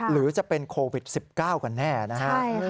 หรือจะเป็นโควิด๑๙กันแน่นะครับ